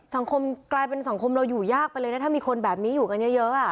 สังคมกลายเป็นสังคมเราอยู่ยากไปเลยนะถ้ามีคนแบบนี้อยู่กันเยอะ